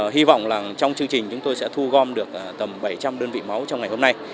hy vọng là trong chương trình chúng tôi sẽ thu gom được tầm bảy trăm linh đơn vị máu trong ngày hôm nay